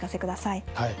はい。